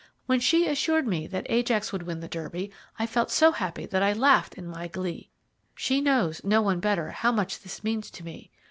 When she assured me that Ajax would win the Derby, I felt so happy that I laughed in my glee. She knows, no one better, how much this means to me.